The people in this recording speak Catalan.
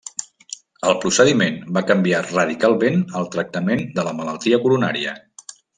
El procediment va canviar radicalment el tractament de la malaltia coronària.